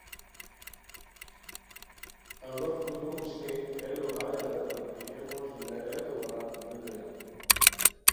اوا فونو اوسنئیے ہیلوہائے اریتام کی ہے موش ولایتو وارا لُو دویان